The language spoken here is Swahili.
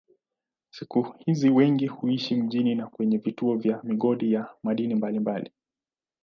Siku hizi wengi huishi mjini na kwenye vituo vya migodi ya madini mbalimbali.